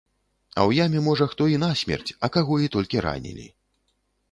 А ў яме можа хто і насмерць, а каго і толькі ранілі.